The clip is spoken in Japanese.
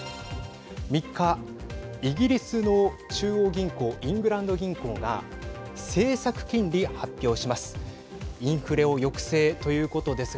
３日、イギリスの中央銀行イングランド銀行が政策金利発表します。